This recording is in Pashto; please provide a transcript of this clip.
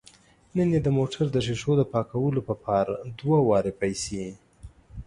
نن یې د موټر د ښیښو د پاکولو په پار دوه واره پیسې